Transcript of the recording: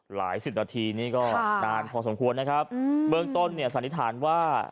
สิบนาทีนี่ก็นานพอสมควรนะครับเบื้องต้นเนี่ยสันนิษฐานว่า